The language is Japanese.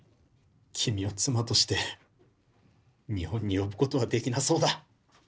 君を妻として日本に呼ぶことはできなさそうだ。